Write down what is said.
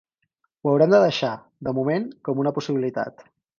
Ho haurem de deixar, de moment, com una possibilitat.